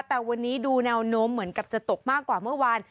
แต่วันนี้ดูแนวโน้มเหมือนกับจะตกมากกว่าเมื่อวาน